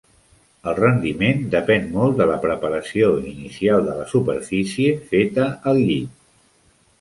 El rendiment depèn molt de la preparació inicial de la superfície feta al llit.